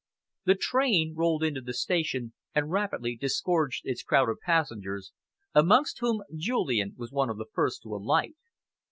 The train rolled into the station and rapidly disgorged its crowd of passengers, amongst whom Julian was one of the first to alight.